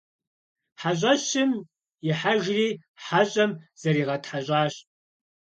ХьэщӀэщым ихьэжри хьэщӀэм зыригъэтхьэщӀащ.